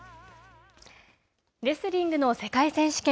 レスリングの世界選手権。